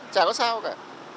chả có sao cả